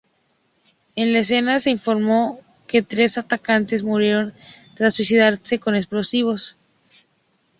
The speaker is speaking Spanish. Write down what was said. En la escena se informó que tres atacantes murieron tras suicidarse con explosivos.